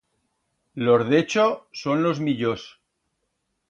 Los d'Echo son los millors.